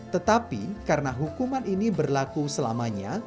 tetapi karena hukuman ini berlaku selamanya